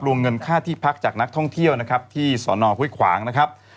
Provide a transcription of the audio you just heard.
รวมเงินค่าที่พักจากนักท่องเที่ยวนะครับที่สอนอห้วยขวางนะครับ